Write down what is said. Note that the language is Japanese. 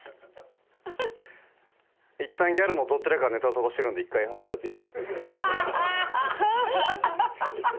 ギャルのどちらかネタ飛ばしてるんで１回話し合っていいぞ。